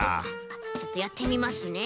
ちょっとやってみますね。